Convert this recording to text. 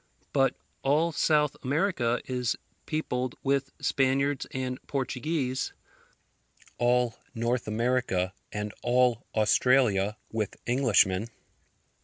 But all South America is peopled with Spaniards and Portuguese; all North America, and all Australia with Englishmen.